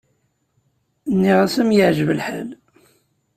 Nniɣ-as am yeɛǧeb lḥal.